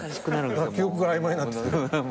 記憶が曖昧になってきてる。